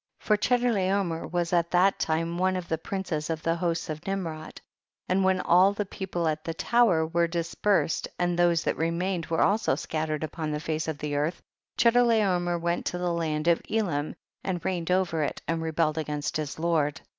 13. For Chedorlaomer was at that time one of the princes of the hosts of Nimrod, and when all the people at the tower were dispersed and those that remained were also scat tered upon the face of the earth, Che dorlaomer went to the land of Elam and reigned over it and rebelled against his Lord.